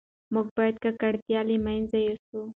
موږ باید ککړتیا له منځه یوسو.